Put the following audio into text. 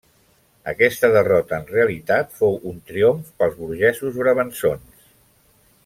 Aquesta derrota en realitat fou un triomf pels burgesos brabançons.